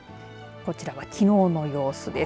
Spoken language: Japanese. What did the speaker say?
こちらはきのうの様子です。